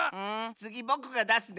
つぎぼくがだすね。